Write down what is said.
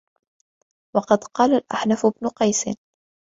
وَقَدْ قَالَ الْأَحْنَفُ بْنُ قَيْسٍ